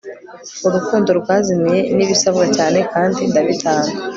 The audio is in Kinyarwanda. Urukundo Rwazimiye Nibisabwa cyane kandi ndabitanga